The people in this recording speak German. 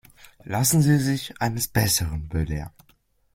Lassen Sie sich eines Besseren belehren.